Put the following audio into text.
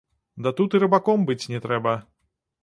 Ды тут і рыбаком быць не трэба.